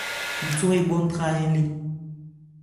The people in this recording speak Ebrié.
Khuthwán ebhɔ́ ńtahɛ́n lé.